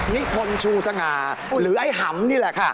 นี่คนชูสังาหรือไอ้หำนี่แหละครับ